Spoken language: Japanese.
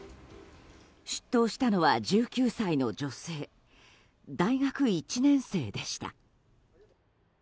出頭したのは１９歳の女性大学１年生でした。